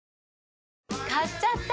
買っちゃった！